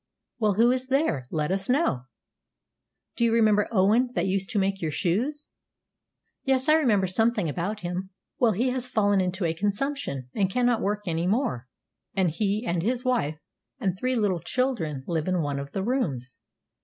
"Well, who is there? Let us know." "Do you remember Owen, that used to make your shoes?" "Yes, I remember something about him." "Well, he has fallen into a consumption, and cannot work any more; and he, and his wife, and three little children live in one of the rooms."